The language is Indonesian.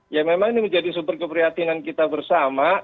ya memang ini menjadi sumber keprihatinan kita bersama